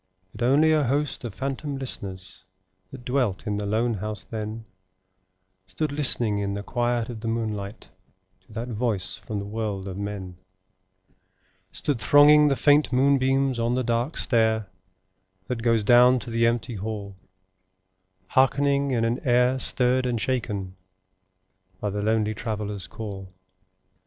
But only a host of phantom listeners That dwelt in the lone house then Stood listening in the quiet of the moonlight To that voice from the world of men: [Pg 65]Stood thronging the faint moonbeams on the dark stair, That goes down to the empty hall, Hearkening in an air stirred and shaken By the lonely Traveller's call.